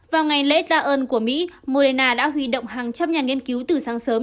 vào ngày lễ ra ơn của mỹ moderna đã huy động hàng trăm nhà nghiên cứu từ sáng sớm